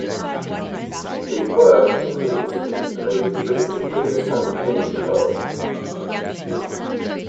His work included screenplays written with his son Vinko.